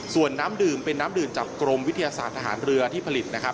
ส่วนน้ำดื่มเป็นน้ำดื่มจากกรมวิทยาศาสตร์ทหารเรือที่ผลิตนะครับ